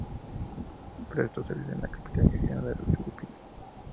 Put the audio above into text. Prestó servicios en la Capitanía General de las Filipinas.